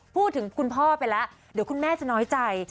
คุณพ่อไปแล้วเดี๋ยวคุณแม่จะน้อยใจ